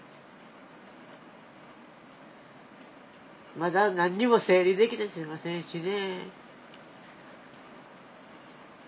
まだ何にも整理できていませんしね。